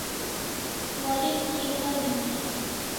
Warek kia karim e?